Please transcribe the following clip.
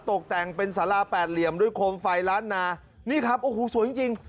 ตกแต่งเป็นสาราแปดเหลี่ยมด้วยโคมไฟล้านนานี่ครับโอ้โหสวยจริงจริง